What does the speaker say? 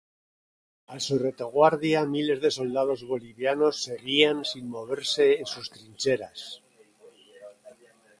A su retaguardia miles de soldados bolivianos seguían sin moverse en sus trincheras.